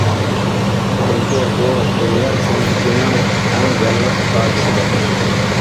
چۈنكى، ئۇ دۇنيا چۈشەنچىسىنىڭ ئەڭ جانلىق ئىپادىسىدۇر.